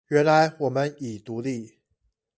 原來我們已獨立